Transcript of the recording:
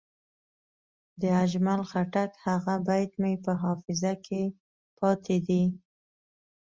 د اجمل خټک هغه بیت مې په حافظه کې پاتې دی.